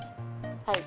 はい。